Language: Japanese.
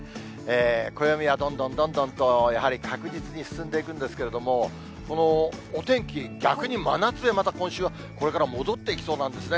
暦はどんどんどんどんと、やはり確実に進んでいくんですけれども、このお天気、逆に真夏へ、また今週はこれから戻っていきそうなんですね。